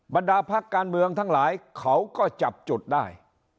บรรดาพักการเมืองทั้งหลายเขาก็จับจุดได้